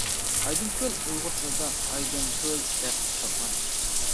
ئايدىڭكۆل ئۇيغۇر تىلىدا «ئايدىڭ كۆل» دەپ ئاتالغان.